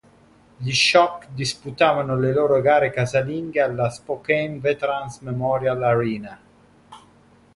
Gli Shock disputavano le loro gare casalinghe alla Spokane Veterans Memorial Arena.